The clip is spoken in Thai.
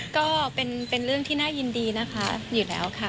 ก็เป็นเรื่องที่น่ายินดีนะคะอยู่แล้วค่ะ